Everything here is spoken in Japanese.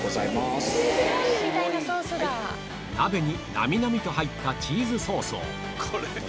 鍋になみなみと入ったチーズソースをおおお！